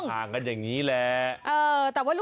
ห่างกันอย่างนี้แหละ